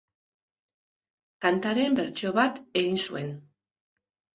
Kantaren bertsio bat egin zuen.